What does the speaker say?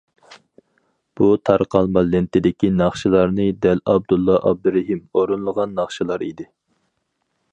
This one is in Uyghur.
بۇ تارقالما لېنتىدىكى ناخشىلارنى دەل ئابدۇللا ئابدۇرېھىم ئورۇنلىغان ناخشىلار ئىدى.